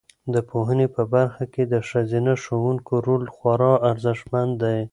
د پوهنې په برخه کې د ښځینه ښوونکو رول خورا ارزښتمن دی.